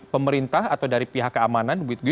pemerintah atau dari pihak keamanan